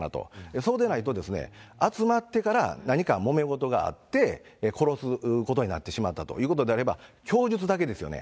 そうでないとですね、集まってから何かもめ事があって、殺すことになってしまったということであれば、供述だけですよね。